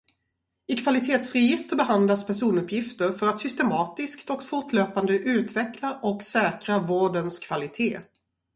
I kvalitetsregister behandlas personuppgifter för att systematiskt och fortlöpande utveckla och säkra vårdens kvalitet.